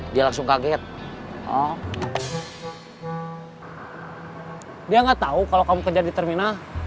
dia gak tau kalau kamu kerja di terminal